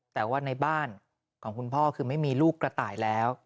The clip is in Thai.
แต่ว่าในบ้านของคุณพ่อคือไม่มีลูกกระต่ายแล้ว